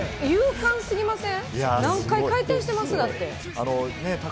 勇敢過ぎません？